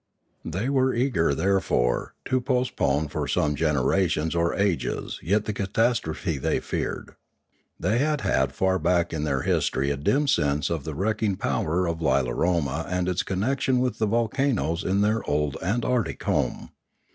They were eager, therefore, to postpone for some generations or ages yet the catastrophe they feared. They had had far back in their history a dim sense of the wrecking power of Lilaroma and its connection with the volcanoes in their old antarctic home.